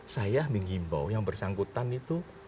saya mengimbau yang bersangkutan itu